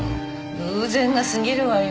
偶然が過ぎるわよ。